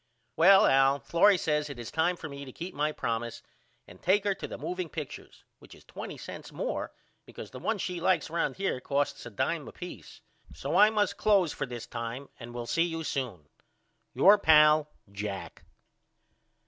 Well Al Florrie says it is time for me to keep my promise and take her to the moveing pictures which is $0.20 more because the one she likes round here costs a dime apeace. So I must close for this time and will see you soon. Your pal, JACK.